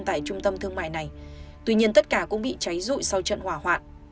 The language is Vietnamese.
tại trung tâm thương mại này tuy nhiên tất cả cũng bị cháy rụi sau trận hỏa hoạn